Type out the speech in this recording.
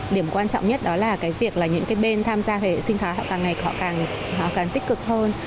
điểm quan trọng nhất đó là cái việc là những cái bên tham gia về sinh thái họ càng ngày họ càng tích cực hơn